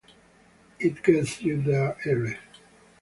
It gets you there early.